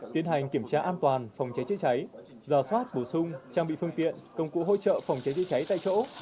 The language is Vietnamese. tiến hành kiểm tra an toàn phòng cháy chữa cháy giả soát bổ sung trang bị phương tiện công cụ hỗ trợ phòng cháy chữa cháy tại chỗ